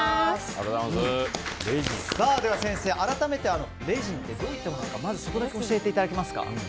では先生、改めてレジンってどういったものなのかまず、そこだけ教えていただけますか。